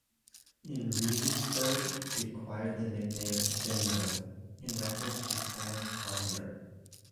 In Regensburg he acquired the nickname "Bimbo" in reference to Franz Binder.